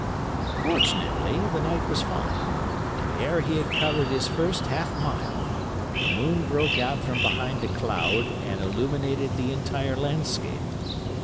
"Fortunately the night was fine, and ere he had covered his first half mile, the moon broke out from behind a cloud and illuminated the entire landscape.